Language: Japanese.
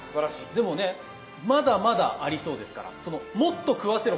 でもねまだまだありそうですから「もっと食わせろ！」